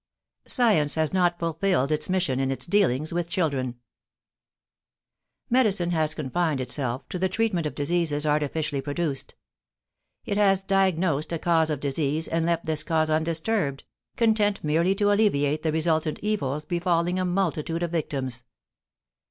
=Science has not fulfilled its mission in its dealings with children=. Medicine has confined itself to the treatment of diseases artificially produced. It has diagnosed a cause of disease and left this cause undisturbed, content merely to alleviate the resultant evils befalling a multitude of victims.